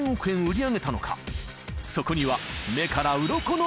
［そこには］